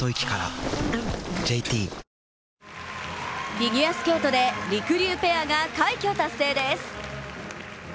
フィギュアスケートでりくりゅうペアが快挙達成です。